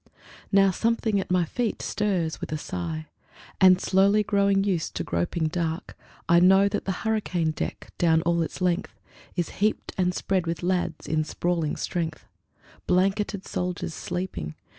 Now something at my feet stirs with a sigh; And slowly growing used to groping dark, I know that the hurricane deck, down all its length, Is heaped and spread with lads in sprawling strength, Blanketed soldiers sleeping.